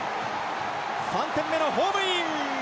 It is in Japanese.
３点目のホームイン！